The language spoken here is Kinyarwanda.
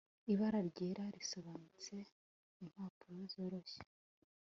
ibara ryera, risobanutse, impapuro zoroshye